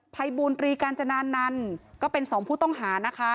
ภัยบูรตรีกาญจนานันต์ก็เป็นสองผู้ต้องหานะคะ